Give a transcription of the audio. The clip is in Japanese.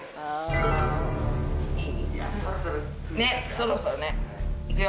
そろそろ。